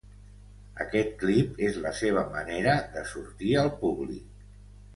Aquest clip és la seva manera de sortir al públic.